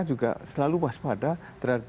juga selalu waspada terhadap